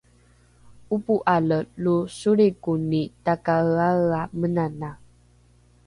’opo’ale lo solrikoni takaeaea menanae